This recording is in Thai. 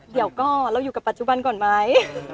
เดี๋ยวก็เราอยู่กับปัจจุบันก่อนไหม